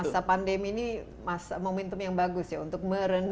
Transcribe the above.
masa pandemi ini momentum yang bagus ya untuk merenungi dan mencapai